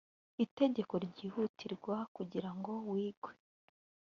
itegeko ryihutirwa kugira ngo wigwe